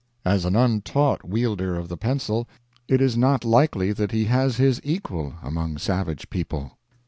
As an untaught wielder of the pencil it is not likely that he has his equal among savage people.